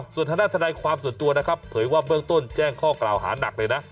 ส่วนทางด้านทนายความส่วนตัวนะครับเผยว่าเบื้องต้นแจ้งข้อกล่าวหานักเลยนะ